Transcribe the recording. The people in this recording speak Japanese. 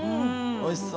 おいしそう。